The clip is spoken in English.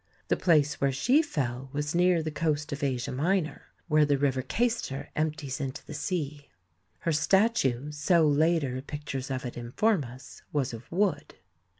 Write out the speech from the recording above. The place where she fell was near the coast of Asia Minor, where the River Cayster empties into the sea. Her statue, so later pictures of it inform us, was of wood.